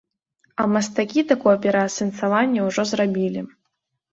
А мастакі такое пераасэнсаванне ўжо зрабілі.